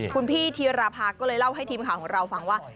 คุณพี่ธีรภาก็เลยเล่าให้ทีมข่าวของเราฟังว่า